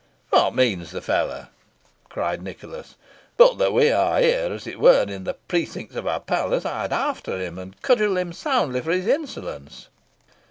"What means the fellow?" cried Nicholas. "But that we are here, as it were, in the precincts of a palace, I would after him and cudgel him soundly for his insolence."